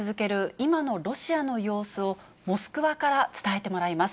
今のロシアの様子を、モスクワから伝えてもらいます。